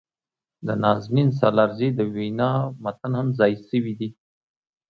د نازنین سالارزي د وينا متن هم ځای شوي دي.